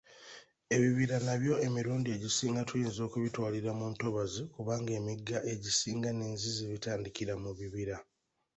Ebibira nabyo emirundi egisinga tuyinza okubitwalira mu ntobazi kubanga emigga egisinga n'enzizzi bitandiikira mu bibira